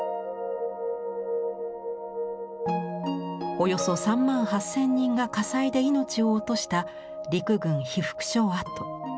およそ３万８，０００人が火災で命を落とした陸軍被服廠跡。